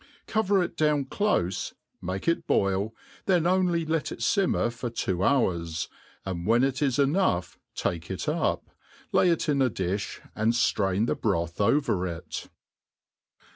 Cover it down clofe, make it boil, then only let it iimmer for two hours, and when it is enough take it up, lay it in a difh^ and ftrain the broth over it.